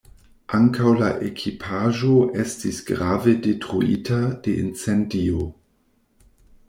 Ankaŭ la ekipaĵo estis grave detruita de incendio.